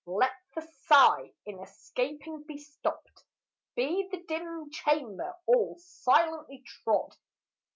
let the sigh in escaping be stopped: Be the dim chamber all silently trod!